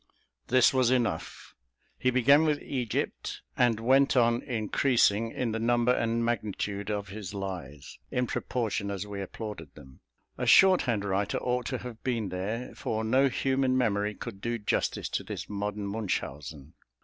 This was enough: he began with Egypt, and went on increasing in the number and magnitude of his lies, in proportion as we applauded them. A short hand writer ought to have been there, for no human memory could do justice to this modern Munchausen.